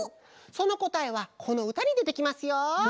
そのこたえはこのうたにでてきますよ！